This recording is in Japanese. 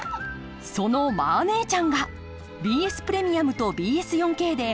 その「マー姉ちゃん」がＢＳプレミアムとＢＳ４Ｋでアンコール放送！